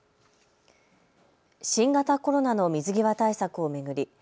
新型コロナの水際対策を巡り